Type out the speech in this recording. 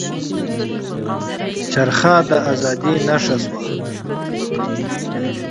چرخه د ازادۍ نښه شوه.